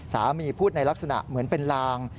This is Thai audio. พูดในลักษณะเหมือนเป็นลาง